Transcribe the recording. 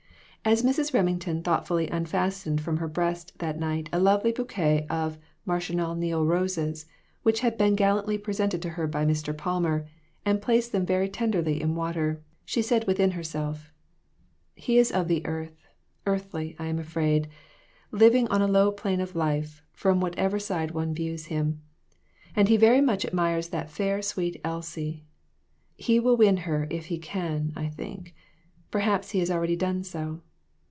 As Mrs. Remington thoughtfully unfastened from her breast that night a lovely bouquet of Marechal Niel roses, which had been gallantly presented to her by Mr. Palmer, and placed them very tenderly in water, she said within herself "He is of the earth earthy, I am afraid; liv ing on a low plane of life, from whatever side one views him. And he very much admires that fair, sweet Elsie ; he will win her if he can, I think ; perhaps has already done so.